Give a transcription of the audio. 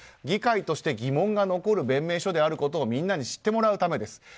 議会として疑問が残る弁明書であることをみんなに知ってもらうためです。